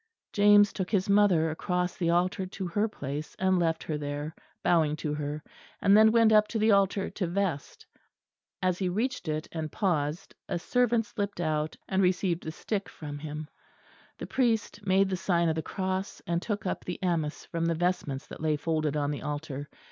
James took his mother across the altar to her place, and left her there, bowing to her; and then went up to the altar to vest. As he reached it and paused, a servant slipped out and received the stick from him. The priest made the sign of the cross, and took up the amice from the vestments that lay folded on the altar.